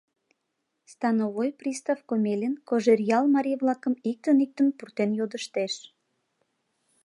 Становой пристав Комелин Кожеръял марий-влакым иктын-иктын пуртен йодыштеш.